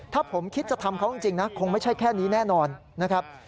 ถ้าผมคิดจะทำเขาจริงนะคงไม่ใช่แค่นี้แน่นอนนะครับ